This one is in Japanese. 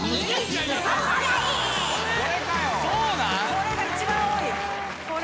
これが一番多い。